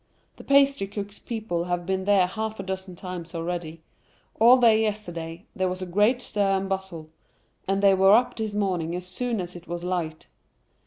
The pastry cook's people have been there half a dozen times already; all day yesterday there was a great stir and bustle, and they were up this morning as soon as it was light.